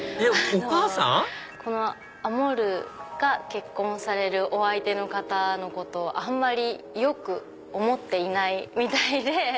お母さん⁉アモルが結婚されるお相手の方のことをあんまりよく思っていないみたいで。